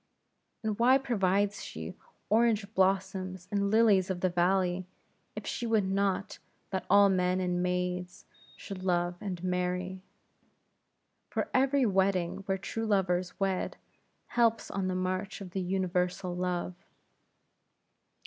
And why provides she orange blossoms and lilies of the valley, if she would not that all men and maids should love and marry? For every wedding where true lovers wed, helps on the march of universal Love.